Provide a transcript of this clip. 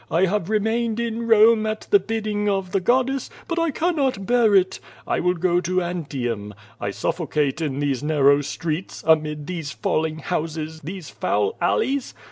"I have remained in Rome at the bidding of Ihe goddess, but I cannot bear it. f will go to Antium. I sulFoc ate in these narrow streets, amid these falling houses, these foul alleys.